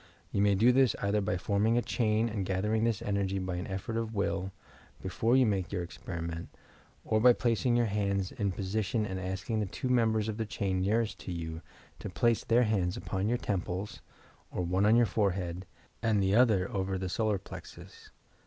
You may do this either by forming a chain and gathering this energy by an effort of will, before you make your experiment, or by placing your hands in position and asking the two members of the chain near est to you to place their hands upon your temples, or one on your forehead, and the other over the solar plexus.